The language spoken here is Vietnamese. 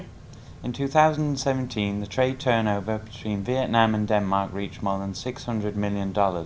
trong đó các mặt hàng xuất khẩu chủ lực của việt nam và đan mạch đạt hơn sáu trăm linh triệu đô la mỹ